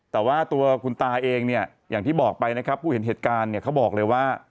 แต่ว่าตัวคุณตาเองเนี่ยอย่างที่บอกไปนะครับผู้เห็นเหตุการณ์เนี่ยเขาบอกเลยว่า